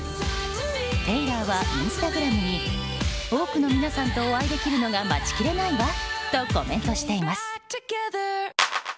テイラーはインスタグラムに多くの皆さんとお会いできるのが待ちきれないわとコメントしています。